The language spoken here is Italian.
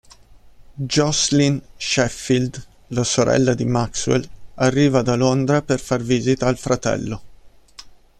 Jocelyn Sheffield, la sorella di Maxwell, arriva da Londra per far visita al fratello.